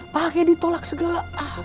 pakai ditolak segala